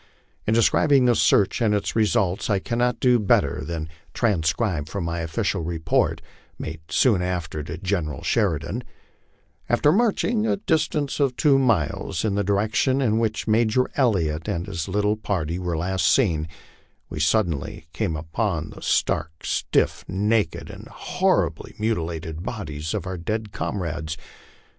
In describing the search and its result, I cannot do better than transcribe from my official report, made soon after to General Sheridan :" After marching a distance of two miles in the direction in which Major Elliott and his little party were last seen, we suddenly came upon the stark, stiff, naked, and horribly mutilated bodies of our dead comrades.